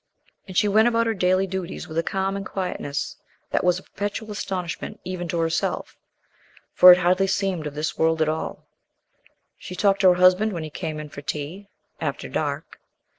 And she went about her daily duties with a calm and quietness that was a perpetual astonishment even to herself, for it hardly seemed of this world at all. She talked to her husband when he came in for tea after dark.